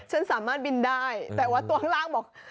ฉันสามารถบินได้แต่ว่าตัวข้างล่างบอก